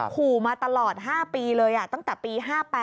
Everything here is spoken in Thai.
ขู่มาตลอด๕ปีเลยตั้งแต่ปี๕๘